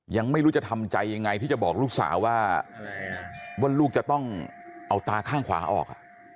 ยังไม่รู้จะทำใจยังไงที่จะบอกลูกสาวว่าลูกจะต้องเอาตาข้างขวาออก